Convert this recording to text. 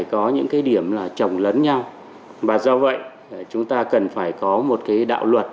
có những cái điểm là trồng lấn nhau và do vậy chúng ta cần phải có một cái đạo luật